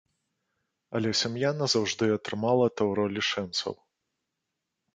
Але сям'я назаўжды атрымала таўро лішэнцаў.